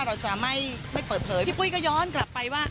เราจะไม่เปิดเผยพี่ปุ้ยก็ย้อนกลับไปว่า